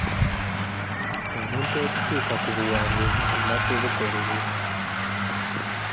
Omuntu okutuuka ku buwanguzi alina kubukolerera.